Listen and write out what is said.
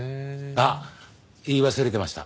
あっ言い忘れてました。